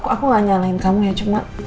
aku gak nyalain kamu ya cuma